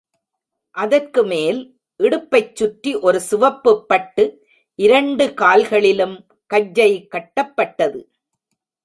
அதற்குமேல் இடுப்பைச் சுற்றி ஒரு சிவப்புப் பட்டு இரண்டு கால்களிலும் கஜ்ஜை கட்டப்பட்டது.